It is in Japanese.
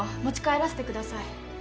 持ち帰らせてください。